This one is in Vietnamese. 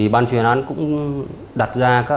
ban chuyên án cũng đặt ra